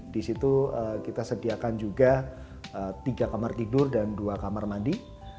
di situ kita sediakan juga tiga kamar tidur dan dua kamar mandi